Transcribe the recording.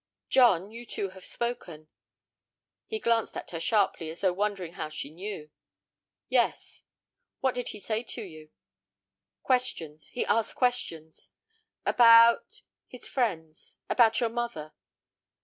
"John, you two have spoken." He glanced at her sharply, as though wondering how she knew. "Yes." "What did he say to you?" "Questions. He asked questions." "About—" "His friends; about your mother."